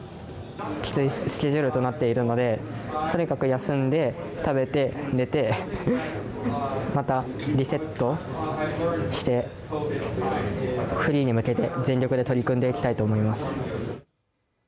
きついスケジュールとなっているのでとにかく休んで食べて寝てまたリセットしてフリーに向けて全力で取り組んでいきたいと思います。